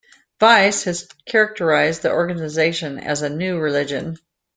"Vice" has characterized the organization as a "new religion".